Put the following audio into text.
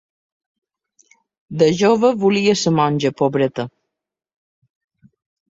De jova, volia ser monja, pobreta